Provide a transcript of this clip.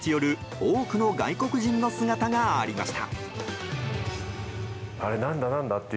多くの外国人の姿がありました。